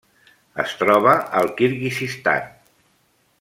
Es troba al Kirguizistan.